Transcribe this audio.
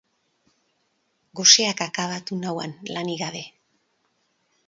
Goseak akabatu nau han, lanik gabe.